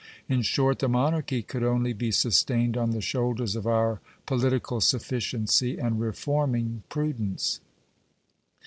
In short, the monarchy could only b « sustained on the shoulders of our political sufficiency and reforming prudence.